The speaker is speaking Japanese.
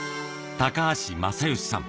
高橋正祥さん。